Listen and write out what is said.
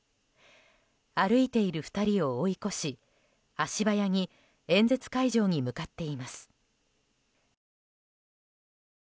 歩いている２人を追い越し足早に演説会場に向かっています。